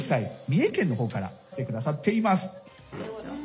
三重県の方から来て下さっています。